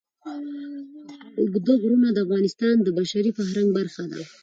اوږده غرونه د افغانستان د بشري فرهنګ برخه ده.